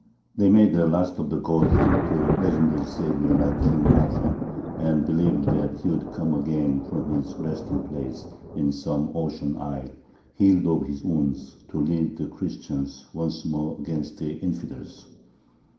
They made the last of the Goths into a legendary saviour like King Arthur, and believed that he would come again from his resting place in some ocean isle, healed of his wound, to lead the Christians once more against the infidels.